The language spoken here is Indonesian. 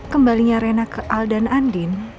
kembalinya rena ke aldan andin